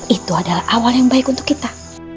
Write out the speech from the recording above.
itu adalah awal yang baik untuk kita